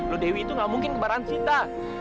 lo dewi itu nggak mungkin kembaran sita